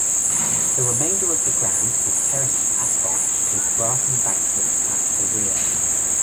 The remainder of the ground is terraced asphalt, with grass embankments at the rear.